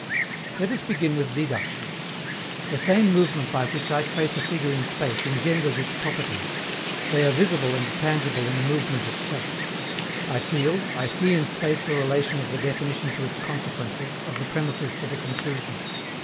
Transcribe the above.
Let us begin with deduction. The same movement by which I trace a figure in space engenders its properties: they are visible and tangible in the movement itself; I feel, I see in space the relation of the definition to its consequences, of the premisses to the conclusion.